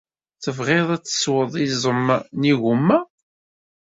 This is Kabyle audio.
Tebɣiḍ ad tesweḍ iẓem n yigumma?